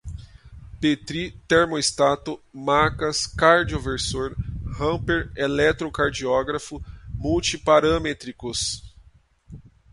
petri, termostato, macas, cardioversor, hamper, eletrocardiógrafo, multiparâmetricos